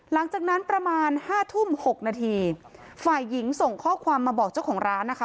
หลังจากนั้นประมาณห้าทุ่มหกนาทีฝ่ายหญิงส่งข้อความมาบอกเจ้าของร้านนะคะ